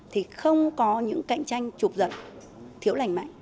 thì không có những cạnh tranh trục giật thiếu lành mạnh